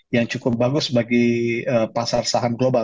yang cukup bagus bagi pasar saham global